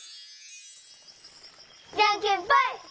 じゃんけんぽい！